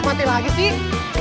mati lagi sih